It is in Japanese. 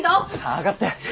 上がって。